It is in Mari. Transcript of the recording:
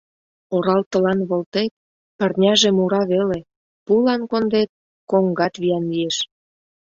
Оралтылан волтет — пырняже мура веле, пулан кондет — коҥгат виян лиеш.